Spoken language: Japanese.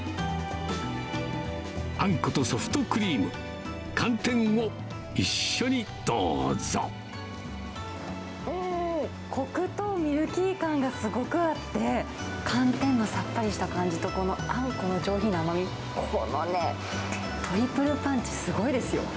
あんことソフトクリーム、うーん、コクとミルキー感がすごくあって、寒天のさっぱりした感じと、このあんこの上品な甘み、このね、トリプルパンチ、すごいですよ。